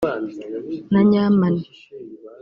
na Nyamani